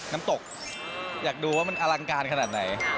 น้ำตกอยากดูว่ามันอลังการขนาดไหน